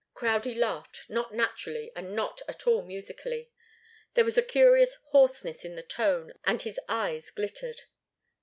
Crowdie laughed, not naturally, and not at all musically. There was a curious hoarseness in the tone, and his eyes glittered.